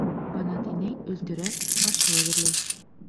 Банат инәй, өлтөрәп, аш-һыу әҙерләй.